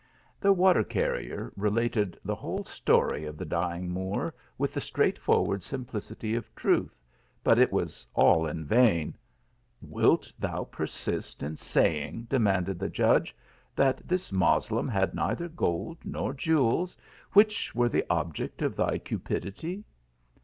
The water carrier related the whole story of the dying Moor with the straightforward simplicity of truth, but it was all in vain :" Wilt thou persist in saying," demanded the judge, " that this Moslem had neither gold nor jew els, which were the object of thy cupidity